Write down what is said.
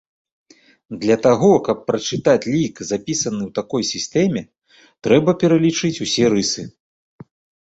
Для таго, каб прачытаць лік, запісаны ў такой сістэме, трэба пералічыць усе рысы.